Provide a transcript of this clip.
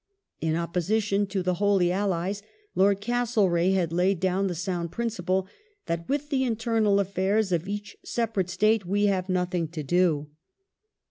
In opposition to the Holy Allies, Lord Castle reagh had laid down the sound principle that with the internal affairs of each separate State we have nothing to do